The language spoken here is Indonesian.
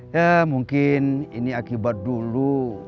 ya mungkin ini akibat dulu